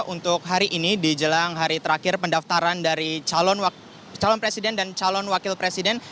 untuk hari ini di jelang hari terakhir pendaftaran dari calon presiden dan calon wakil presiden